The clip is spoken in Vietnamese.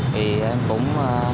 thì em cũng